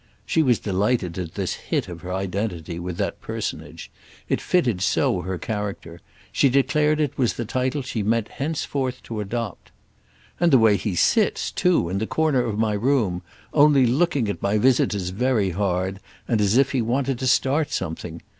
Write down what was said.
She was delighted at this hit of her identity with that personage—it fitted so her character; she declared it was the title she meant henceforth to adopt. "And the way he sits, too, in the corner of my room, only looking at my visitors very hard and as if he wanted to start something!